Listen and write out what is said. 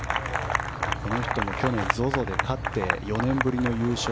この人も去年ＺＯＺＯで勝って４年ぶりの優勝。